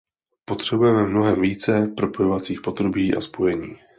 Potřebujeme mnohem více propojovacích potrubí a spojení.